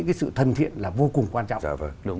cái sự thân thiện là vô cùng quan trọng